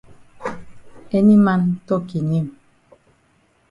Any man tok e name.